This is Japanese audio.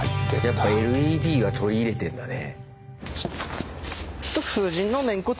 やっぱＬＥＤは取り入れてんだね。